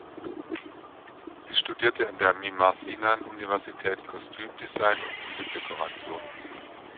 Sie studierte an der Mimar-Sinan-Universität Kostümdesign und Bühnendekoration.